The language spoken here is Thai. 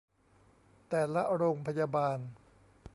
แต่ละโรงพยาบาล